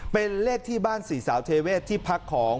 เป็นเลขที่บ้านสี่สาวเทเวศที่พักของ